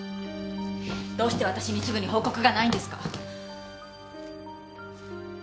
どうして私にすぐに報告がないんですか？